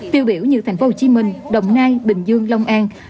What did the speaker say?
tiêu biểu như thành phố hồ chí minh đồng nai bình dương long an